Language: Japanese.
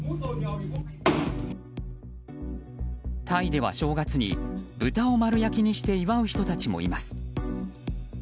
タイでは正月に豚を丸焼きにして祝う人たちもいます。